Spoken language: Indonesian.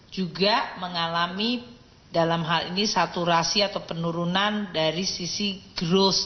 juga mengalami dalam hal ini saturasi atau penurunan dari sisi growth